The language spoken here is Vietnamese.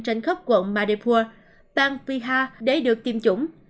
trên khắp quận madhepur bang pihar để được tiêm chủng